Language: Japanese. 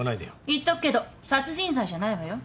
言っとくけど殺人罪じゃないわよ。